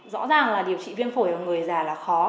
rõ ràng là điều trị viêm phổi ở người già là khó